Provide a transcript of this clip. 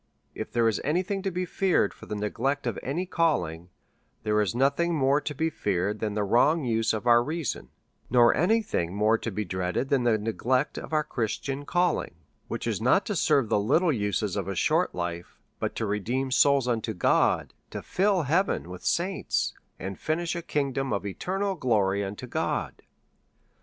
101 if there is any thing to be feared for the neglect of any calhng, there is nothing more to be feared than the wrong use of our reason^ nor any thing more to be dreaded than the neglect of our Christian calling, which is not to serve tlie little uses of a sliort life^ but to redeem souls unto God^ to fill heaven with saints^ and finish a kingdom of eternal glory unto God.